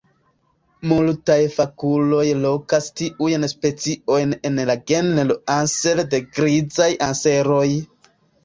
Multaj fakuloj lokas tiujn speciojn en la genro "Anser" de grizaj anseroj.